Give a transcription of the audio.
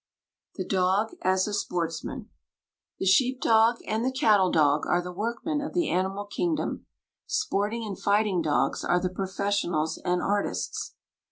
THE DOG AS A SPORTSMAN The sheep dog and the cattle dog are the workmen of the animal kingdom; sporting and fighting dogs are the professionals and artists.